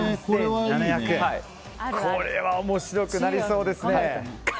これは面白くなりそうですね。